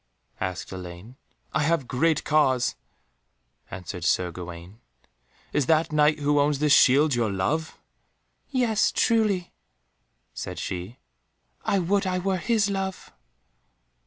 asked Elaine. "I have great cause," answered Sir Gawaine. "Is that Knight who owns this shield your love?" "Yes, truly," said she; "I would I were his love."